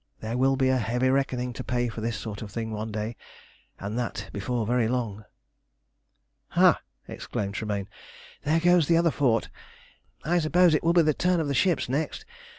There will be a heavy reckoning to pay for this sort of thing one day, and that before very long." "Ha!" exclaimed Tremayne. "There goes the other fort. I suppose it will be the turn of the ships next.